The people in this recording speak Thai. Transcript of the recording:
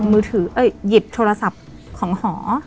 หยิบโทรศัพท์ของหอ